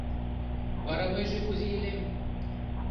Вара мыйже кузе илем?